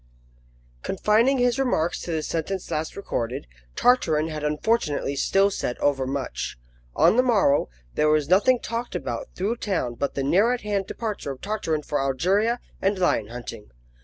CONFINING his remarks to the sentence last recorded, Tartarin had unfortunately still said overmuch. On the morrow, there was nothing talked about through town but the near at hand departure of Tartarin for Algeria and lion hunting.